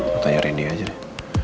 mau tanya rendy aja deh